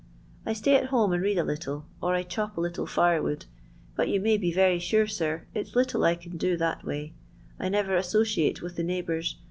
I stay at home and read a little ; or I chop a littb fire wood, but you may bt very aura, air, its little I can do that way. I never associata with the neighbours.